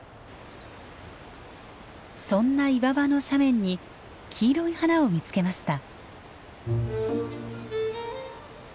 そんな岩場の斜面に黄色い花を見つけました。